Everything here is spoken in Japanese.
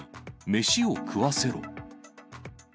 飯を食わせろ。